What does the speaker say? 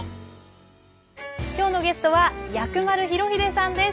今日のゲストは薬丸裕英さんです。